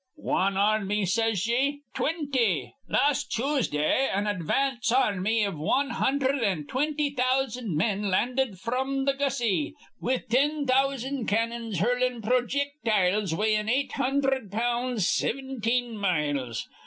"Wan ar rmy, says ye? Twinty! Las' Choosdah an advance ar rmy iv wan hundherd an' twinty thousand men landed fr'm th' Gussie, with tin thousand cannons hurlin' projick tyles weighin' eight hundherd pounds sivinteen miles.